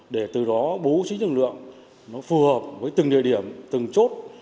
để từ đó bố trí lực lượng phù hợp với từng địa điểm từng chốt